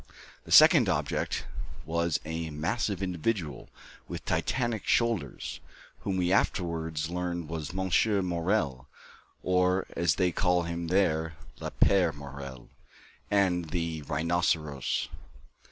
The second object was a massive individual, with Titanic shoulders, whom we afterwards learned was Monsieur Morel, or, as they call him there, "Le père Morel," and "The Rhinoceros."